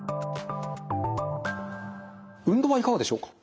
運動はいかがでしょうか？